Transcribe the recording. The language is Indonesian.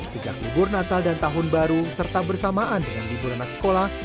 sejak libur natal dan tahun baru serta bersamaan dengan libur anak sekolah